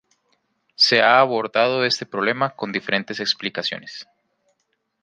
Se ha abordado este problema con diferentes explicaciones.